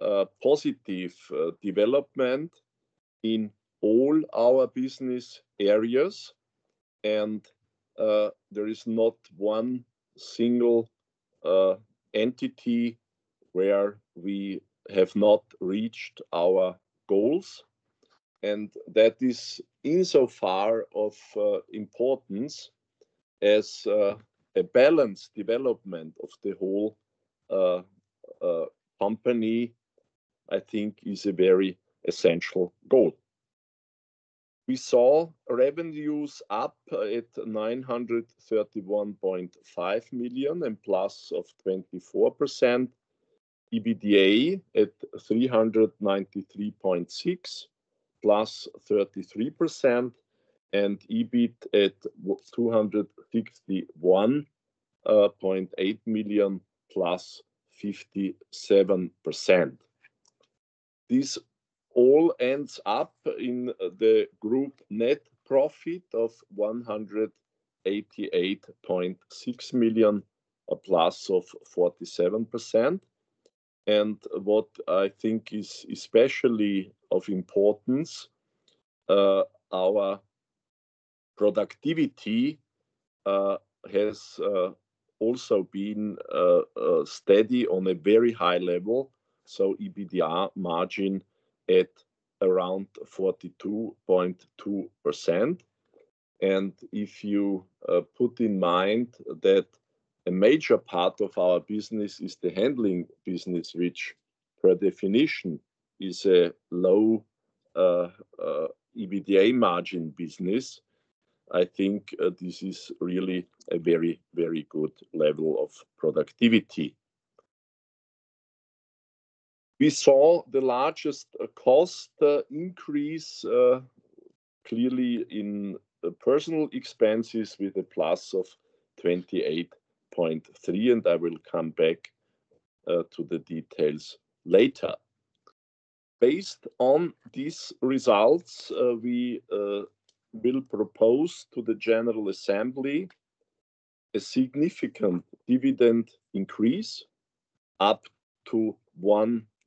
was a positive development in all our business areas, and there is not one single entity where we have not reached our goals. That is insofar of importance as a balanced development of the whole company, Ithink, is a very essential goal. We saw revenues up at 931.5 million +24%, EBITDA at 393.6 million +33%, and EBIT at 261.8 million +57%. This all ends up in the group net profit of 188.6 million +47%. What I think is especially of importance, our productivity has also been steady on a very high level, so EBITDA margin at around 42.2%. If you put in mind that a major part of our business is the handling business, which per definition is a low EBITDA margin business, I think this is really a very, very good level of productivity. We saw the largest cost increase clearly in personnel expenses with a plus of 28.3%, and I will come back to the details later. Based on these results, we will propose to the General Assembly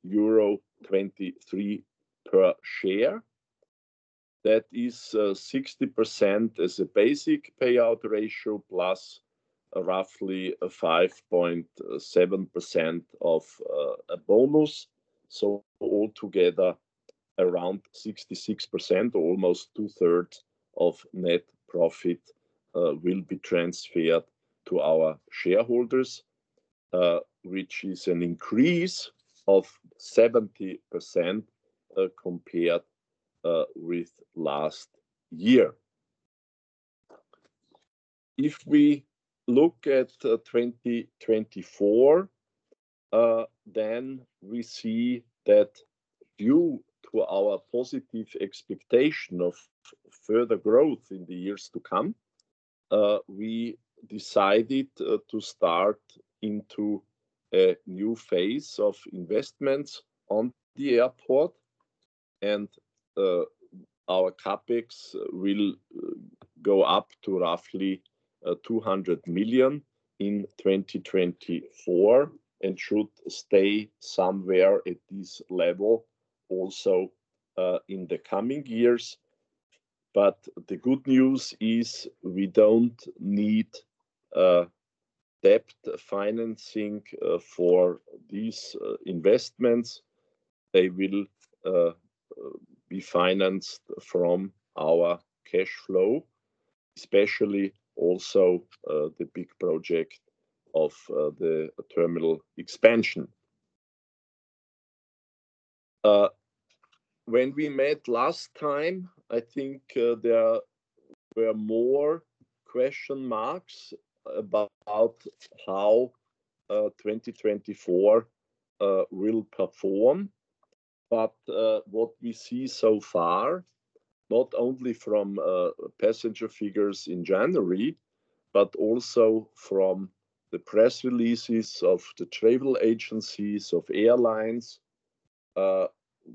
a significant dividend increase up to 1.23 per share. That is 60% as a basic payout ratio plus roughly 5.7% of a bonus. So altogether, around 66%, almost two-thirds of net profit will be transferred to our shareholders, which is an increase of 70% compared with last year. If we look at 2024, then we see that due to our positive expectation of further growth in the years to come, we decided to start into a new phase of investments on the airport, and our CapEx will go up to roughly 200 million in 2024 and should stay somewhere at this level also in the coming years. The good news is we don't need debt financing for these investments. They will be financed from our cash flow, especially also the big project of the terminal expansion. When we met last time, I think there were more question marks about how 2024 will perform. What we see so far, not only from passenger figures in January but also from the press releases of the travel agencies, of airlines,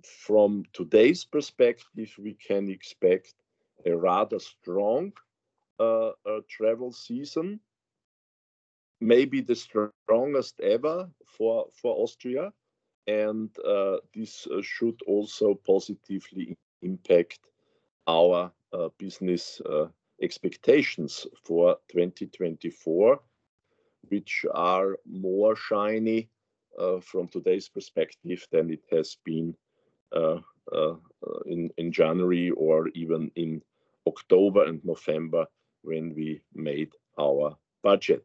from today's perspective, we can expect a rather strong travel season, maybe the strongest ever for Austria. This should also positively impact our business expectations for 2024, which are more shiny from today's perspective than it has been in January or even in October and November when we made our budget.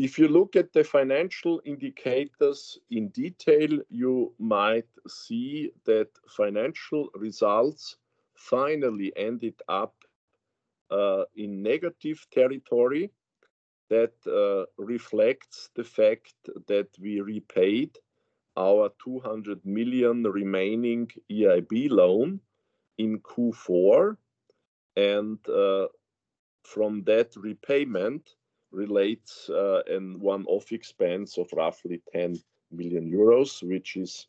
If you look at the financial indicators in detail, you might see that financial results finally ended up in negative territory. That reflects the fact that we repaid our 200 million remaining EIB loan in Q4, and from that repayment relates one-off expense of roughly 10 million euros, which is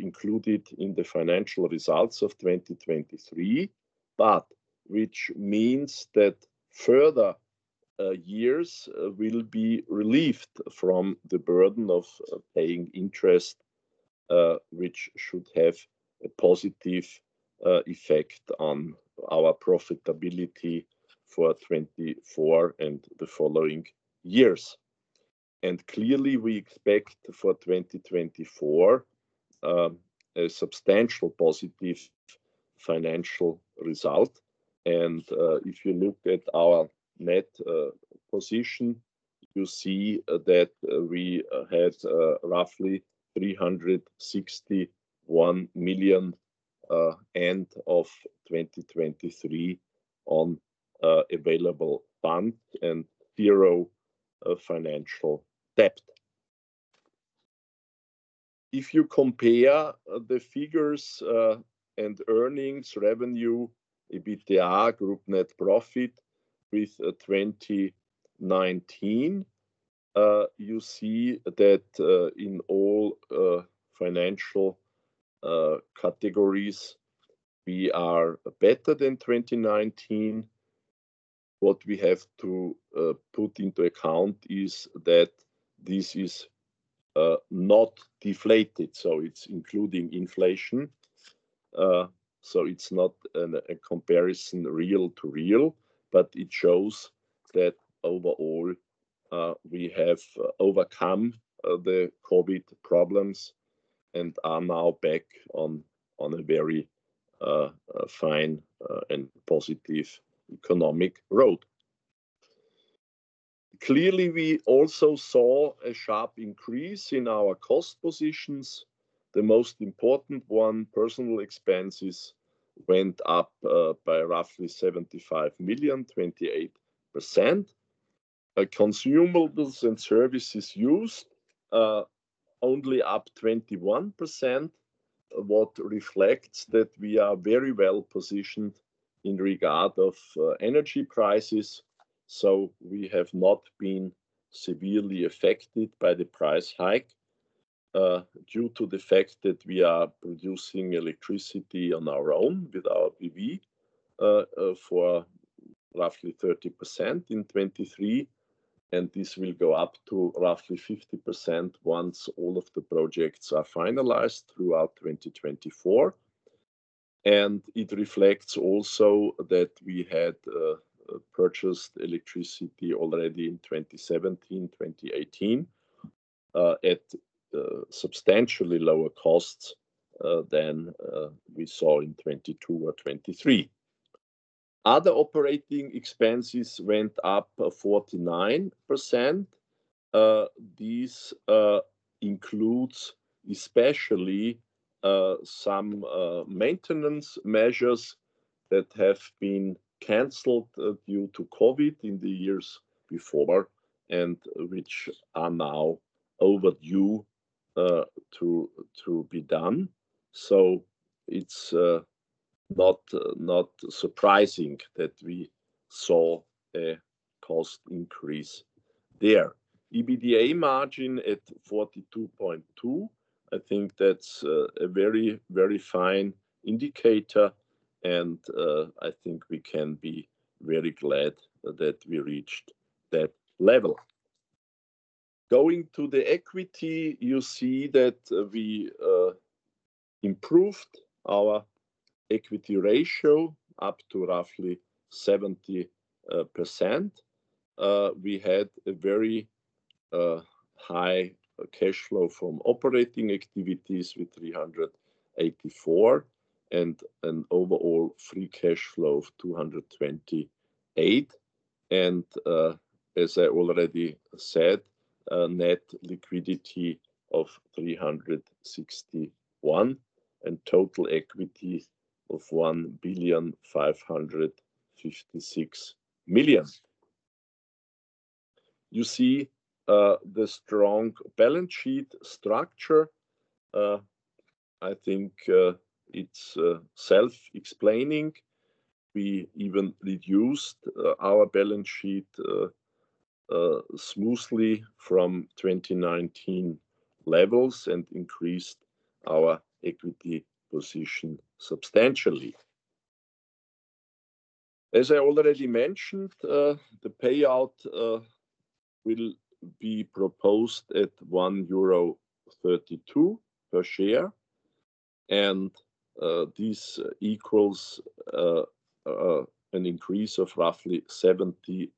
included in the financial results of 2023, but which means that further years will be relieved from the burden of paying interest, which should have a positive effect on our profitability for 2024 and the following years. Clearly, we expect for 2024 a substantial positive financial result. If you look at our net position, you see that we had roughly 361 million end of 2023 on available funds and zero financial debt. If you compare the figures and earnings, revenue, EBITDA, group net profit with 2019, you see that in all financial categories, we are better than 2019. What we have to put into account is that this is not deflated, so it's including inflation. So it's not a comparison real to real, but it shows that overall, we have overcome the COVID problems and are now back on a very fine and positive economic road. Clearly, we also saw a sharp increase in our cost positions. The most important one, personnel expenses, went up by roughly 75 million, 28%. Consumables and services used only up 21%, what reflects that we are very well positioned in regard of energy prices. So we have not been severely affected by the price hike due to the fact that we are producing electricity on our own with our PV for roughly 30% in 2023, and this will go up to roughly 50% once all of the projects are finalized throughout 2024. And it reflects also that we had purchased electricity already in 2017, 2018, at substantially lower costs than we saw in 2022 or 2023. Other operating expenses went up 49%. This includes especially some maintenance measures that have been cancelled due to COVID in the years before and which are now overdue to be done. So it's not surprising that we saw a cost increase there. EBITDA margin at 42.2%, I think that's a very, very fine indicator, and I think we can be very glad that we reached that level. Going to the equity, you see that we improved our equity ratio up to roughly 70%. We had a very high cash flow from operating activities with 384 million and an overall free cash flow of 228 million. And as I already said, net liquidity of 361 million and total equity of 1.556 billion. You see the strong balance sheet structure. I think it's self-explaining. We even reduced our balance sheet smoothly from 2019 levels and increased our equity position substantially. As I already mentioned, the payout will be proposed at 1.32 euro per share, and this equals an increase of roughly 70%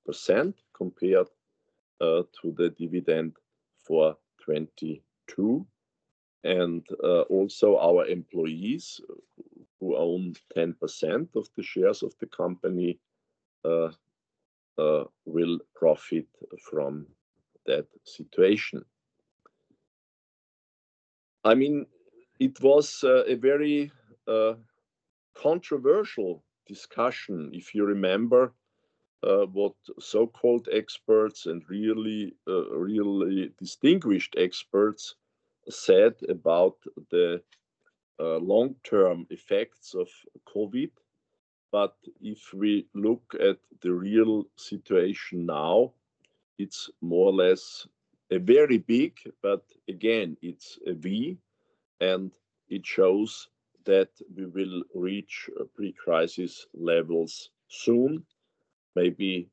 compared to the dividend for 2022. Also, our employees who own 10% of the shares of the company will profit from that situation. I mean, it was a very controversial discussion, if you remember, what so-called experts and really distinguished experts said about the long-term effects of COVID. But if we look at the real situation now, it's more or less a very big, but again, it's a V, and it shows that we will reach pre-crisis levels soon, maybe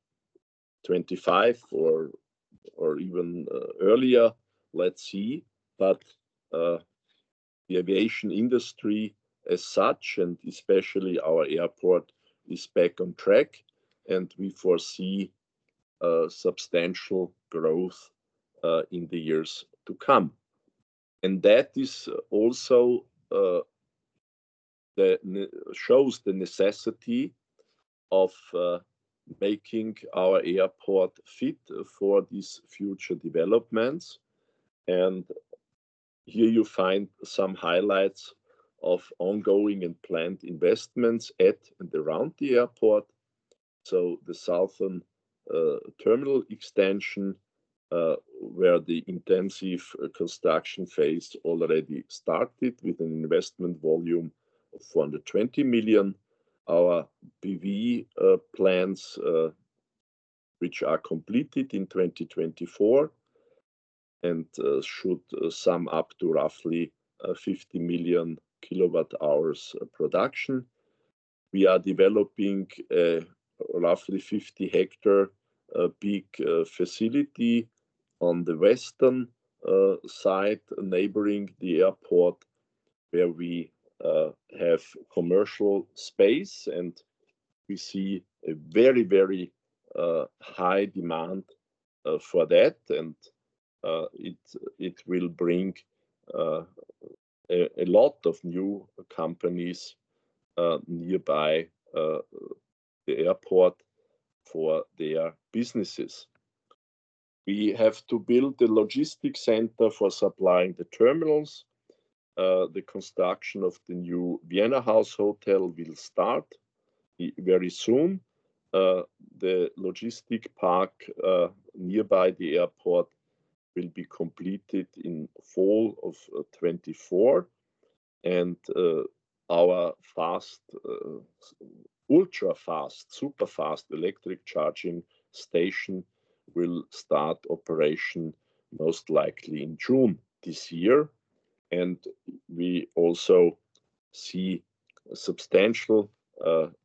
2025 or even earlier. Let's see. But the aviation industry as such, and especially our airport, is back on track, and we foresee substantial growth in the years to come. That also shows the necessity of making our airport fit for these future developments. Here you find some highlights of ongoing and planned investments at and around the airport. The southern terminal extension, where the intensive construction phase already started with an investment volume of 420 million, our PV plants, which are completed in 2024 and should sum up to roughly 50 million kWh production. We are developing a roughly 50 ha big facility on the western side neighboring the airport, where we have commercial space, and we see a very, very high demand for that. It will bring a lot of new companies nearby the airport for their businesses. We have to build the logistics center for supplying the terminals. The construction of the new Vienna House Hotel will start very soon. The logistics park nearby the airport will be completed in fall of 2024, and our ultra-fast, super-fast electric charging station will start operation most likely in June this year. And we also see substantial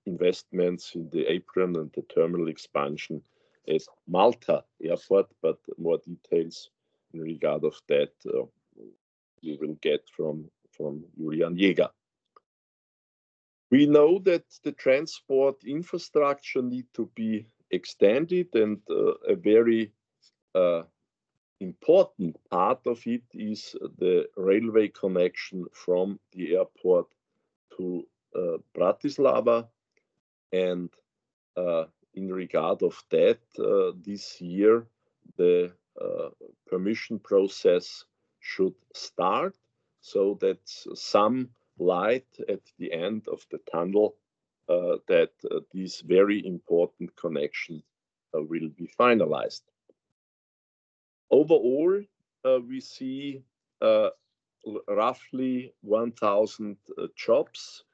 investments in the apron and the terminal expansion at Malta Airport, but more details in regard of that, we will get from Julian Jäger. We know that the transport infrastructure needs to be extended, and a very important part of it is the railway connection from the airport to Bratislava. In regard of that, this year, the permission process should start so that some light at the end of the tunnel that these very important connections will be finalized. Overall, we see roughly 1,000 jobs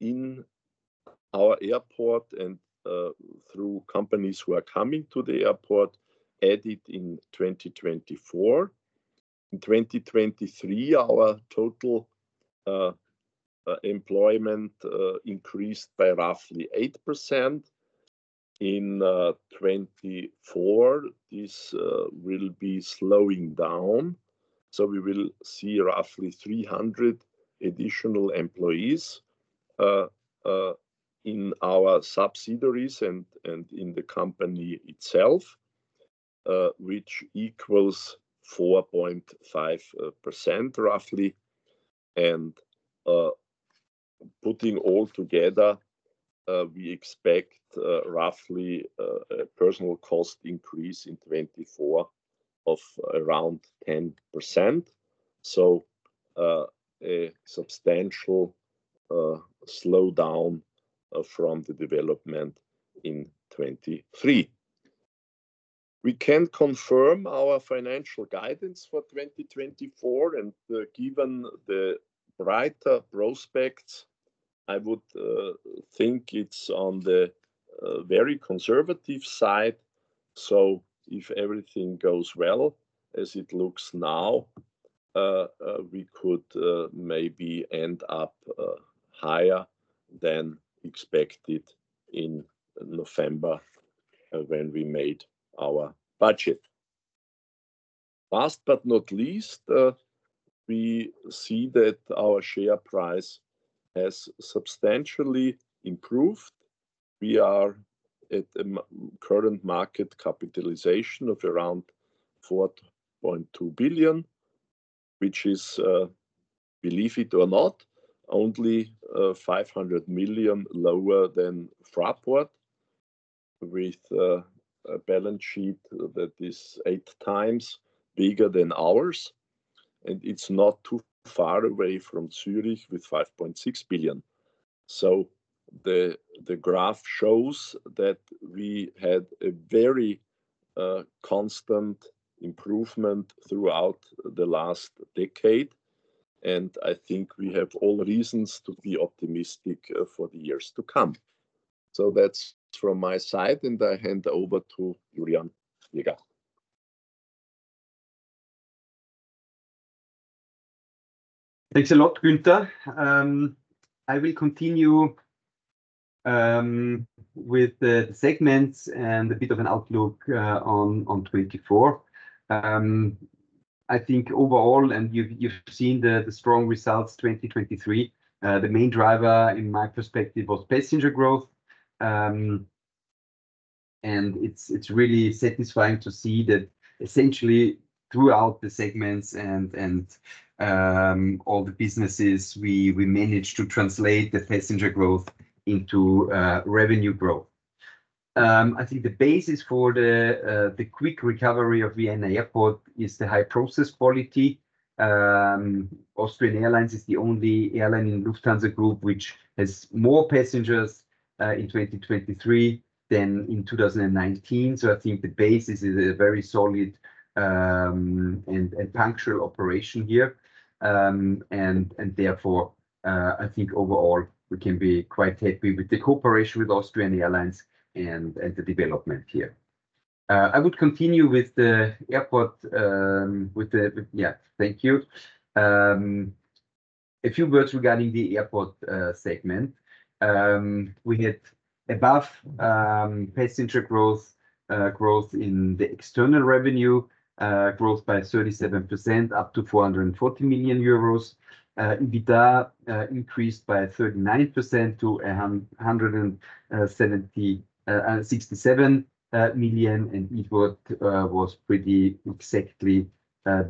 in our airport and through companies who are coming to the airport added in 2024. In 2023, our total employment increased by roughly 8%. In 2024, this will be slowing down, so we will see roughly 300 additional employees in our subsidiaries and in the company itself, which equals 4.5% roughly. Putting all together, we expect roughly a personnel cost increase in 2024 of around 10%, so a substantial slowdown from the development in 2023. We can confirm our financial guidance for 2024, and given the brighter prospects, I would think it's on the very conservative side. So if everything goes well as it looks now, we could maybe end up higher than expected in November when we made our budget. Last but not least, we see that our share price has substantially improved. We are at a current market capitalization of around 4.2 billion, which is, believe it or not, only 500 million lower than Fraport, with a balance sheet that is 8X bigger than ours. It's not too far away from Zurich with 5.6 billion. The graph shows that we had a very constant improvement throughout the last decade, and I think we have all reasons to be optimistic for the years to come. That's from my side, and I hand over to Julian Jäger. Thanks a lot, Günther. I will continue with the segments and a bit of an outlook on 2024. I think overall, and you've seen the strong results 2023, the main driver, in my perspective, was passenger growth. It's really satisfying to see that essentially throughout the segments and all the businesses, we managed to translate the passenger growth into revenue growth. I think the basis for the quick recovery of Vienna Airport is the high process quality. Austrian Airlines is the only airline in the Lufthansa Group which has more passengers in 2023 than in 2019. So I think the basis is a very solid and punctual operation here. Therefore, I think overall, we can be quite happy with the cooperation with Austrian Airlines and the development here. I would continue with the airport with the yeah, thank you. A few words regarding the airport segment. We had above passenger growth in the external revenue growth by 37% up to 440 million euros. EBITDA increased by 39% to 176 million, and EBIT was pretty exactly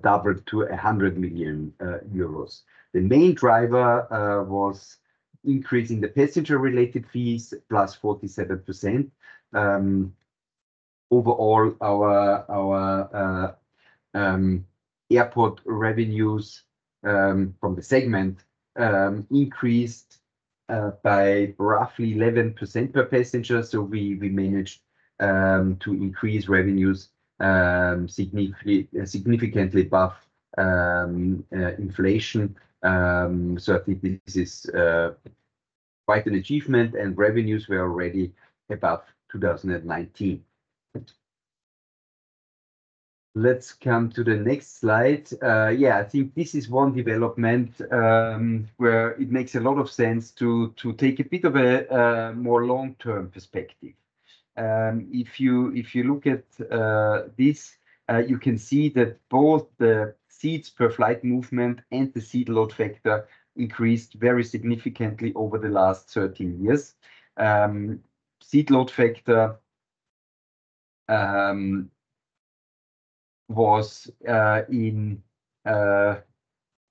doubled to 100 million euros. The main driver was increasing the passenger-related fees +47%. Overall, our airport revenues from the segment increased by roughly 11% per passenger. We managed to increase revenues significantly above inflation. I think this is quite an achievement, and revenues were already above 2019. Let's come to the next slide. Yeah, I think this is one development where it makes a lot of sense to take a bit of a more long-term perspective. If you look at this, you can see that both the seats per flight movement and the seat load factor increased very significantly over the last 13 years. Seat load factor was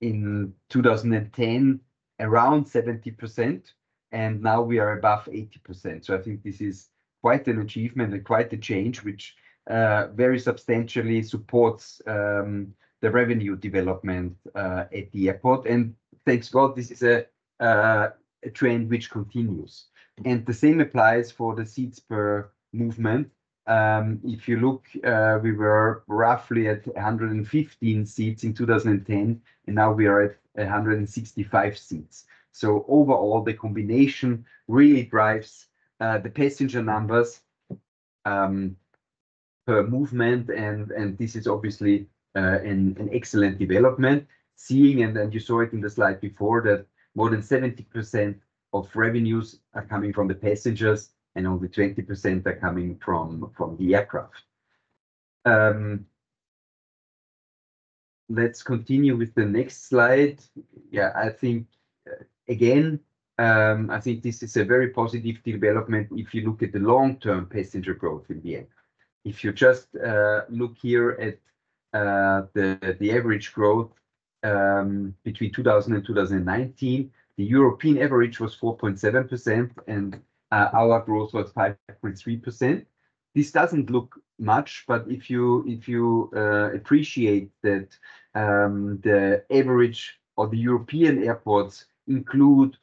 in 2010 around 70%, and now we are above 80%. So I think this is quite an achievement and quite a change which very substantially supports the revenue development at the airport. And thank God, this is a trend which continues. And the same applies for the seats per movement. If you look, we were roughly at 115 seats in 2010, and now we are at 165 seats. So overall, the combination really drives the passenger numbers per movement, and this is obviously an excellent development. You saw it in the slide before that more than 70% of revenues are coming from the passengers, and only 20% are coming from the aircraft. Let's continue with the next slide. Yeah, again, I think this is a very positive development if you look at the long-term passenger growth in Vienna. If you just look here at the average growth between 2000 and 2019, the European average was 4.7%, and our growth was 5.3%. This doesn't look much, but if you appreciate that the average or the European airports include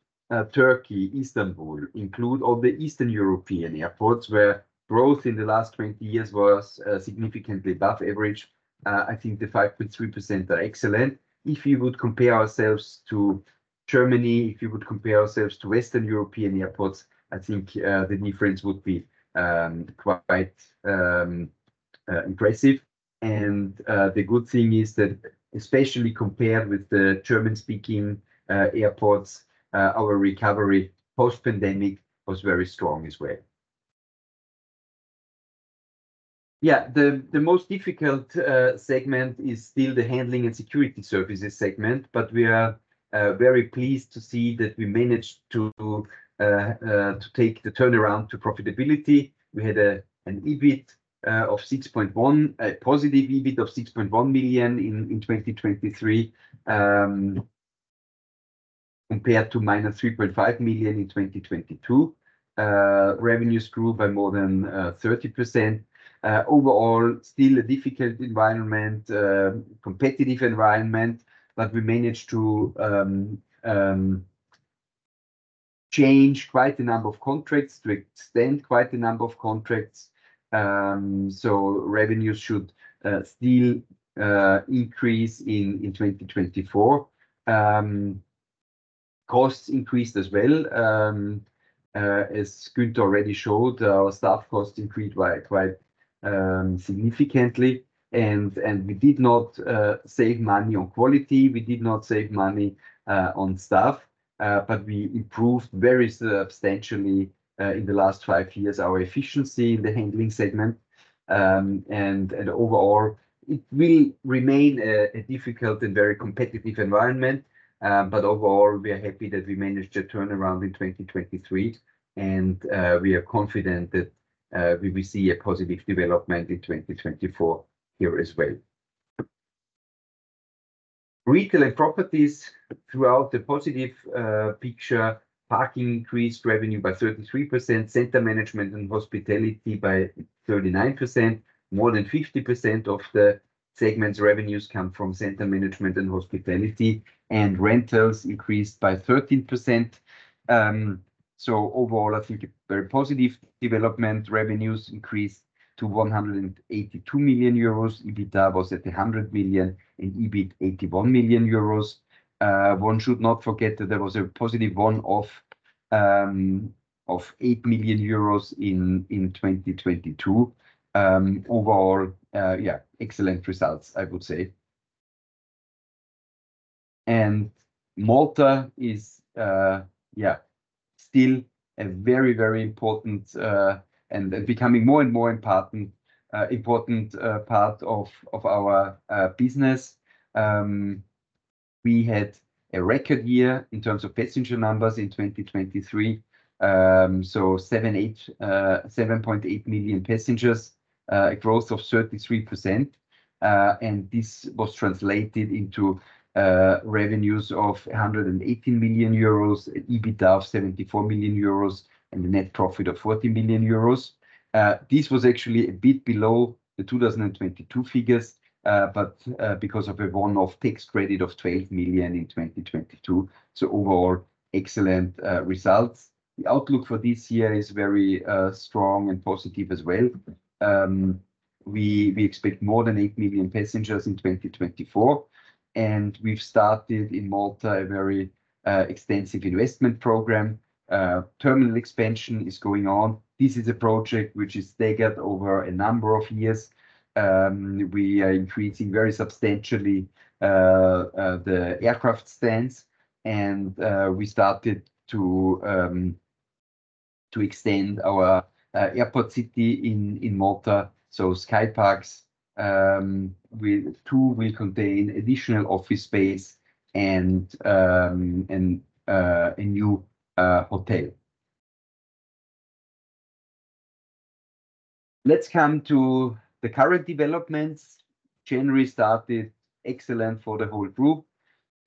Turkey, Istanbul, include all the Eastern European airports where growth in the last 20 years was significantly above average, I think the 5.3% are excellent. If you would compare ourselves to Germany, if you would compare ourselves to Western European airports, I think the difference would be quite impressive. The good thing is that especially compared with the German-speaking airports, our recovery post-pandemic was very strong as well. Yeah, the most difficult segment is still the handling and security services segment, but we are very pleased to see that we managed to take the turnaround to profitability. We had an EBIT of 6.1 million, a positive EBIT of 6.1 million in 2023 compared to -3.5 million in 2022. Revenues grew by more than 30%. Overall, still a difficult environment, competitive environment, but we managed to change quite a number of contracts, to extend quite a number of contracts. So revenues should still increase in 2024. Costs increased as well. As Günther already showed, our staff costs increased quite significantly. And we did not save money on quality. We did not save money on staff, but we improved very substantially in the last five years our efficiency in the handling segment. Overall, it will remain a difficult and very competitive environment. Overall, we are happy that we managed a turnaround in 2023, and we are confident that we will see a positive development in 2024 here as well. Retail and properties throughout the positive picture: parking increased revenue by 33%, center management and hospitality by 39%. More than 50% of the segment's revenues come from center management and hospitality, and rentals increased by 13%. Overall, I think a very positive development. Revenues increased to 182 million euros. EBITDA was at 100 million and EBIT 81 million euros. One should not forget that there was a positive one-off of 8 million euros in 2022. Overall, yeah, excellent results, I would say. Malta is, yeah, still a very, very important and becoming more and more important part of our business. We had a record year in terms of passenger numbers in 2023, so 7.8 million passengers, a growth of 33%. This was translated into revenues of 118 million euros, EBITDA of 74 million euros, and a net profit of 40 million euros. This was actually a bit below the 2022 figures because of a one-off tax credit of 12 million in 2022. Overall, excellent results. The outlook for this year is very strong and positive as well. We expect more than 8 million passengers in 2024. We've started in Malta a very extensive investment program. Terminal expansion is going on. This is a project which is staggered over a number of years. We are increasing very substantially the aircraft stands, and we started to extend our airport city in Malta. So SkyParks 2 will contain additional office space and a new hotel. Let's come to the current developments. January started excellent for the whole group.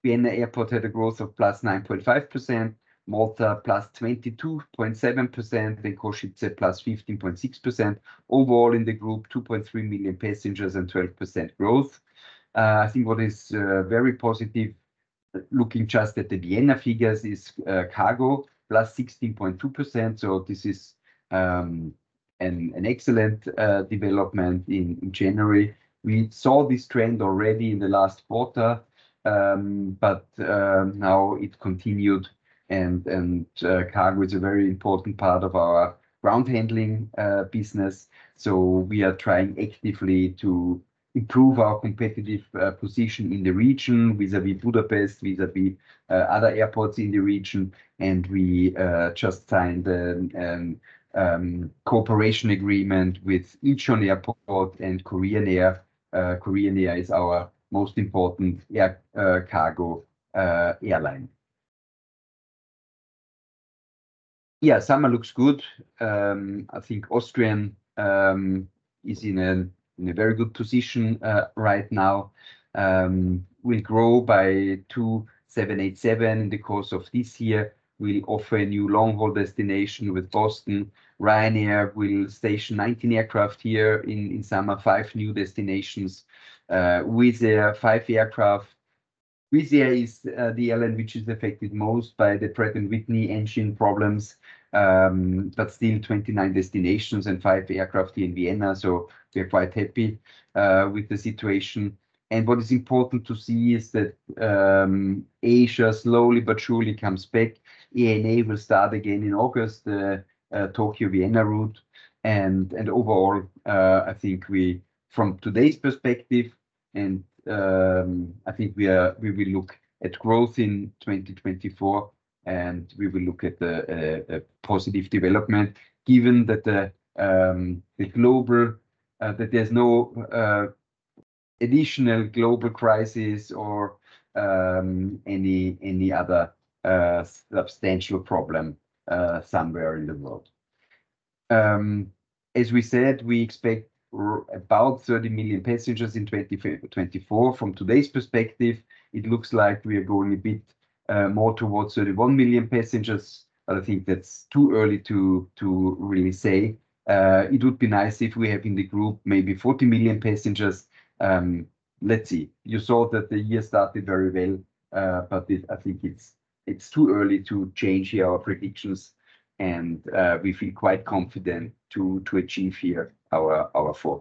Vienna Airport had a growth of +9.5%, Malta +22.7%, then Košice +15.6%. Overall in the group, 2.3 million passengers and 12% growth. I think what is very positive, looking just at the Vienna figures, is cargo +16.2%. So this is an excellent development in January. We saw this trend already in the last quarter, but now it continued, and cargo is a very important part of our ground handling business. So we are trying actively to improve our competitive position in the region vis-à-vis Budapest, vis-à-vis other airports in the region. And we just signed a cooperation agreement with Incheon Airport and Korean Air. Korean Air is our most important cargo airline. Yeah, summer looks good. I think Austrian is in a very good position right now. We'll grow by 2,787 in the course of this year. We'll offer a new long-haul destination with Boston. Ryanair will station 19 aircraft here in summer, five new destinations with their five aircraft. Wizz Air is the airline which is affected most by the Pratt & Whitney engine problems, but still 29 destinations and five aircraft here in Vienna. So we are quite happy with the situation. And what is important to see is that Asia slowly but surely comes back. ANA will start again in August, the Tokyo-Vienna route. And overall, I think from today's perspective, and I think we will look at growth in 2024, and we will look at a positive development given that there's no additional global crisis or any other substantial problem somewhere in the world. As we said, we expect about 30 million passengers in 2024. From today's perspective, it looks like we are going a bit more towards 31 million passengers. But I think that's too early to really say. It would be nice if we have in the group maybe 40 million passengers. Let's see. You saw that the year started very well, but I think it's too early to change here our predictions. And we feel quite confident to achieve here our full.